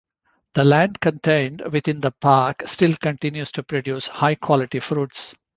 The land contained within the park still continues to produce high-quality fruits.